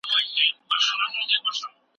پښتو ژبه د عزت ژبه ده.